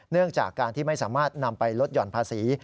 เนื่องจากการที่ไม่สามารถนำไปลดหย่อนภาษี